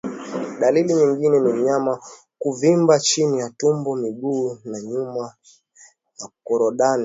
Dalili nyingine ni mnyama kuvimba chini ya tumbo miguu ya nyuma na korodani